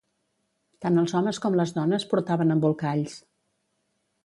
Tant els homes com les dones portaven embolcalls.